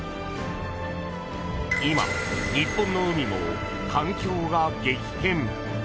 今、日本の海も環境が激変。